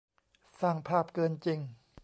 สร้างภาพเกินจริง